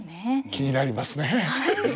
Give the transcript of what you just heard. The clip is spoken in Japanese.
気になりますね。